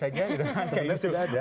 sebenarnya sudah ada